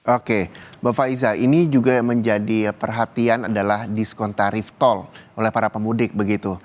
oke mbak faiza ini juga yang menjadi perhatian adalah diskon tarif tol oleh para pemudik begitu